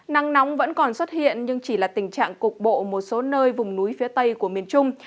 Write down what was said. nắng nóng vẫn còn xuất hiện nhưng chỉ là tình trạng cục bộ một số nơi vùng núi phía tây của miền trung